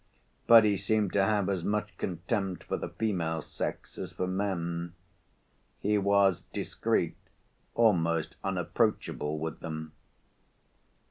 But he seemed to have as much contempt for the female sex as for men; he was discreet, almost unapproachable, with them.